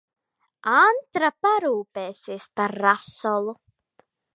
Antra parūpesies par rasolu.